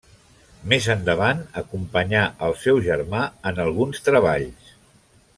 Més endavant acompanyà el seu germà en alguns treballs.